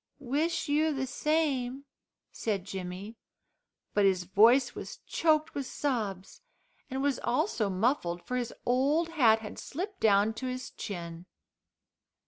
"Wish you the same," said Jimmy, but his voice was choked with sobs, and was also muffled, for his old hat had slipped down to his chin.